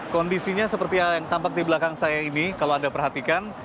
kondisinya seperti yang tampak di belakang saya ini kalau anda perhatikan